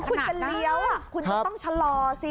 คุณเป็นเลี้ยวอ่ะคุณต้องชะลอสิ